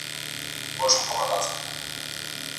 اوس چي د مځكي كرې اور اخيستـــــى